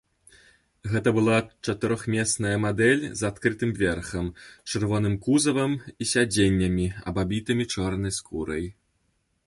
Гэта была чатырохмесная мадэль з адкрытым верхам, чырвоным кузавам і сядзеннямі, абабітымі чорнай скурай.